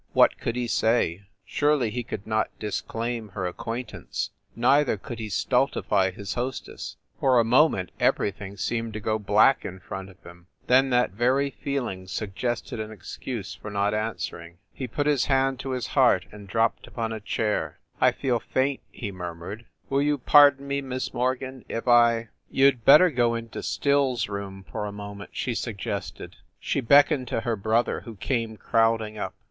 What could he say? Surely he could not dis claim her acquaintance, neither could he stultify his hostess. For a moment everything seemed to go black in front of him, then that very feeling sug gested an excuse for not answering. He put his hand to his heart and dropped upon a chair. "I feel faint!" he murmured. "Will you pardon me, Miss Morgan, if I " 236 FIND THE WOMAN "You d better go into Still s room for a mo ment," she suggested. She beckoned to her brother, who came crowding up.